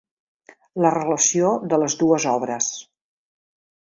La relació de les dues obres.